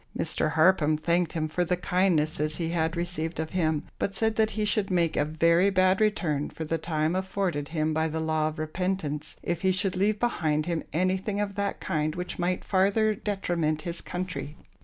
Mr. Harpham thanked him for the kindnesses he had received of him, but said that he should make a very bad return for the time afforded him by the law of repentance, if he should leave behind him anything of that kind which might farther detriment his country.